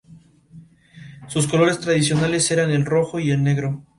Sus colores tradicionales eran el rojo y el negro.